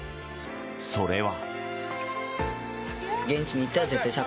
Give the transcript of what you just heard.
それは。